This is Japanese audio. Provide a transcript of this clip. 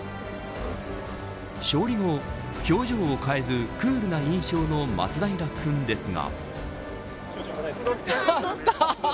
勝利後、表情を変えずクールな印象のマツダイラ君ですが。